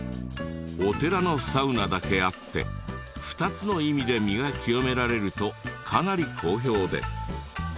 お寺のサウナだけあって２つの意味で身が清められるとかなり好評で。